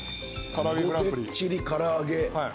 「でっちり唐揚げ」